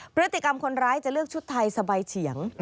พฤติกรรมคนร้ายจะเลือกชุดไทยสบายเฉียง